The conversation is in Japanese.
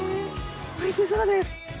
おいしそうです！